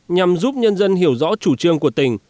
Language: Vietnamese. nhằm giúp nhân dân hiểu rõ chủ trương của tỉnh